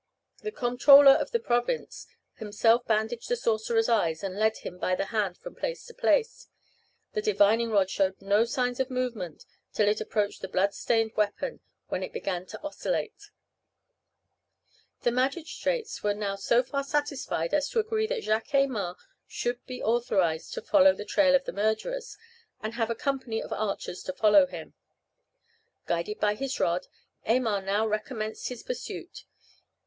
The comptroller of the province himself bandaged the sorcerer's eyes, and led him by the hand from place to place. The divining rod showed no signs of movement till it approached the blood stained weapon, when it began to oscillate. The magistrates were now so far satisfied as to agree that Jacques Aymar should be authorized to follow the trail of the murderers, and have a company of archers to follow him. Guided by his rod, Aymar now recommenced his pursuit.